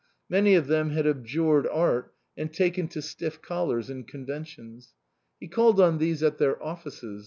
Many of them had abjured art and taken to stiff collars and conventions. He called on these at their offices.